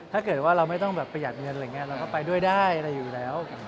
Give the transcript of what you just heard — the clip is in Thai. ถ้าเกิดว่าเราไม่ต้องแบบประหยัดเงินอะไรอย่างนี้เราก็ไปด้วยได้อะไรอยู่แล้ว